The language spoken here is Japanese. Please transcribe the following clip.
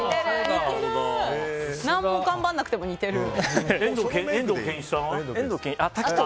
何も頑張らなくても似てる。